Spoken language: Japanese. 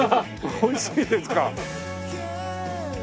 おいしいですか。